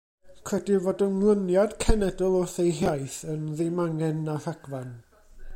Credir fod ymlyniad cenedl wrth ei hiaith yn ddim angen na rhagfarn.